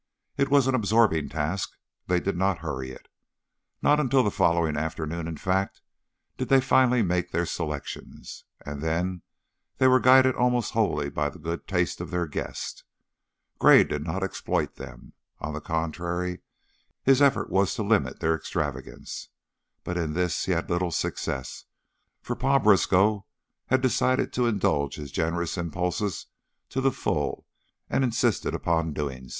It was an absorbing task, they did not hurry it. Not until the following afternoon, in fact, did they finally make their selections, and then they were guided almost wholly by the good taste of their guest. Gray did not exploit them. On the contrary, his effort was to limit their extravagance; but in this he had little success, for Pa Briskow had decided to indulge his generous impulses to the full and insisted upon so doing.